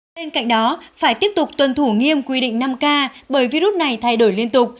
bên cạnh đó phải tiếp tục tuân thủ nghiêm quy định năm k bởi virus này thay đổi liên tục